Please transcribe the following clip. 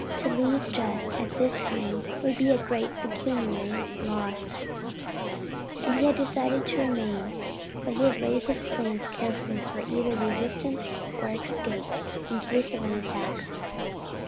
To leave just at this time would be a great pecuniary loss, and he had decided to remain; but had laid his plans carefully for either resistance or escape in case of an attack.